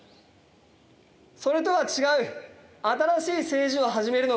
それとは違う新しい政治を始めるのか。